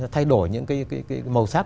thay đổi những cái màu sắc